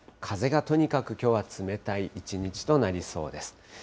風がとにかくきょうは冷たい一日となりそうです。